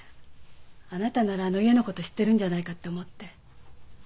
あなたならあの家のこと知ってるんじゃないかって思って。